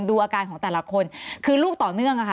ดูอาการของแต่ละคนคือลูกต่อเนื่องนะคะ